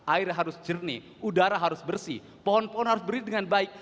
air harus jernih udara harus bersih pohon pohon harus bersih dengan baik